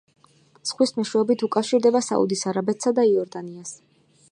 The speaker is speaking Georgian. ზღვის მეშვეობით უკავშირდება საუდის არაბეთსა და იორდანიას.